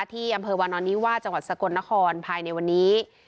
ที่อำเภอวานอนนิวาจังหวัดสกลนครภายในวันนี้